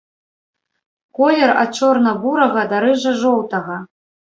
Колер ад чорна-бурага да рыжа-жоўтага.